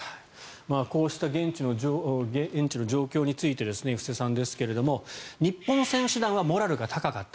こうした現地の状況について布施さんですが日本選手団はモラルが高かった。